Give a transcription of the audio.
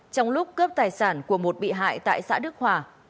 trong lúc cướp tài sản của một bị hại tại xã đức hòa